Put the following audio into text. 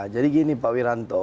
jadi gini pak wiranto